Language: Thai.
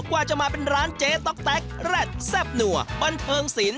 ว่าจะมาเป็นร้านเจ๊ต๊อกแต๊กแร็ดแซ่บหนัวบันเทิงสิน